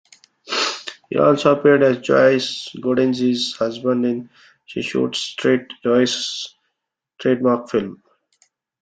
He also appeared as Joyce Godenzi's husband in "She Shoots Straight", Joyce's trademark film.